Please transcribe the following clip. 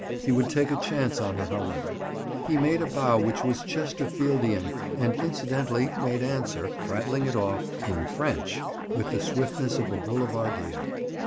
He would take a chance on her, however. He made a bow which was Chesterfieldian and incidentally made answer, rattling it off with the swiftness of a boulevardier.